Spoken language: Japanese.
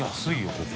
ここ。